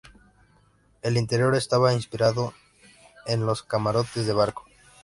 El interior estaba inspirado en los camarotes de barco.